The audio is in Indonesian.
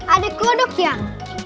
ada kodok yang